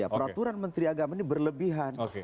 peraturan menteri agama ini berlebihan